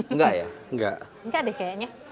enggak ya enggak deh kayaknya